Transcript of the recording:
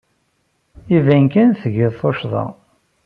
Iban kan tgid tuccḍa.